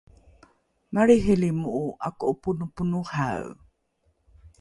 malriihilimo’o ’ako’oponoponohae